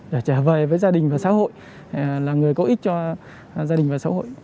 để trở về với gia đình và xã hội là người có ích cho gia đình và xã hội